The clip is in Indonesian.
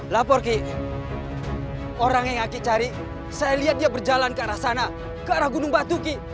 lapor ki orang yang aki cari saya lihat dia berjalan ke arah sana ke arah gunung batu ki